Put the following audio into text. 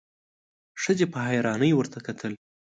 ښځې په حيرانۍ ورته کتل: